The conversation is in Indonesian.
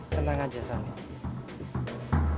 tenang aja sani